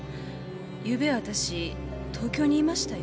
ゆうべは私東京にいましたよ。